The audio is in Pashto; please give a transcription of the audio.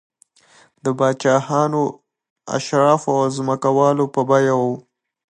د پاچاهانو، اشرافو او ځمکوالو په بیه و